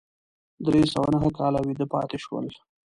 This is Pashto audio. درې سوه نهه کاله ویده پاتې شول.